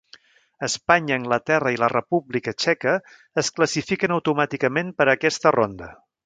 Espanya, Anglaterra i la República Txeca es classifiquen automàticament per a aquesta ronda.